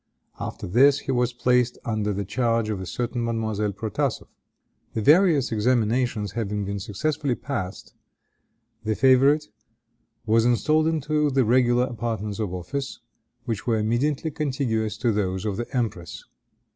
After this he was placed under the charge of a certain Mademoiselle Protasoff. The various examinations having been successfully passed, the favorite was installed into the regular apartments of office, which were immediately contiguous to those of the empress.